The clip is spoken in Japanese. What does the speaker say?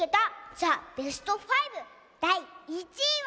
ザ・ベスト５」だい１いは。